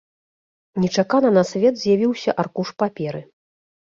Нечакана на свет з'явіўся аркуш паперы.